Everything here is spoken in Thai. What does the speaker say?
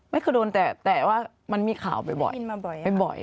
ไม่เคยโดนแต่แต่ว่ามันมีข่าวบ่อย